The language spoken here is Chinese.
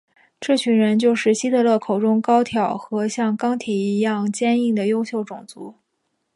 这群人就是希特勒口中高挑和像钢铁一样坚硬的优秀种族。